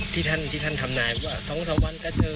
ที่ท่านท่านทำนายบอกว่าสองสามวันจะเจอใช่ไหม